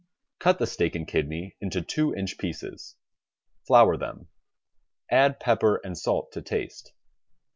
Cut the steak and kidney into two inch pieces. Flour them. Add pepper and salt to taste.